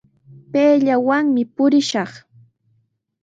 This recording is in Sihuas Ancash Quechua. Payllawanmi purillashaq.